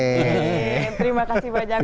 terima kasih banyak master